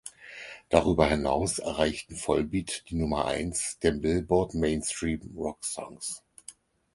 Darüber hinaus erreichten Volbeat die Nummer eins der Billboard Mainstream Rock Songs.